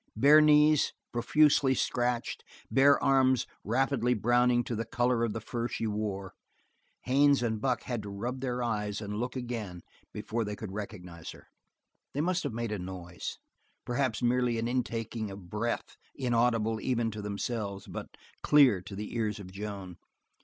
Bare knees, profusely scratched, bare arms rapidly browning to the color of the fur she wore, Haines and Buck had to rub their eyes and look again before they could recognize her. They must have made a noise perhaps merely an intaking of breath inaudible even to themselves but clear to the ears of Joan.